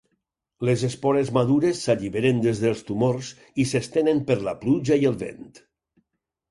Les espores madures s'alliberen des dels tumors i s'estenen per la pluja i el vent.